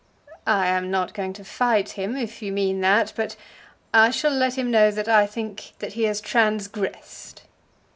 "I am not going to fight him, if you mean that; but I shall let him know that I think that he has transgressed."